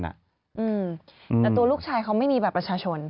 แต่ตัวลูกชายเขาไม่มีบัตรประชาชน